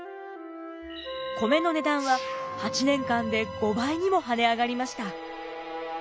米の値段は８年間で５倍にも跳ね上がりました。